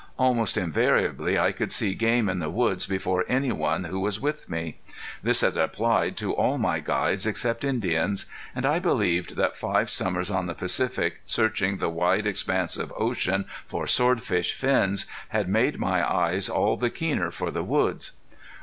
Almost invariably I could see game in the woods before any one who was with me. This had applied to all my guides except Indians. And I believed that five summers on the Pacific, searching the wide expanse of ocean for swordfish fins, had made my eyes all the keener for the woods.